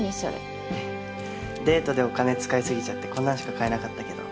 デートでお金使いすぎちゃってこんなのしか買えなかったけど。